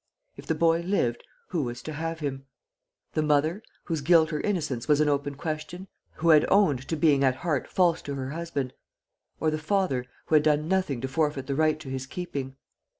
If the boy lived, who was to have him? The mother, whose guilt or innocence was an open question who had owned to being at heart false to her husband or the father, who had done nothing to forfeit the right to his keeping?